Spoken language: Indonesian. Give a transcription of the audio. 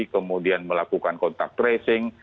kemudian melakukan kontak tracing